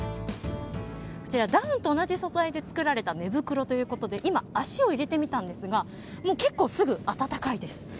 こちら、ダウンと同じ素材で作られた寝袋ということで今、足を入れてみたんですが結構、すぐ暖かいです。